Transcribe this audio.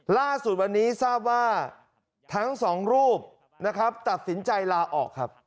ล่าสุดวันนี้ทราบว่าทั้งสองรูปนะครับตัดสินใจลาออกครับ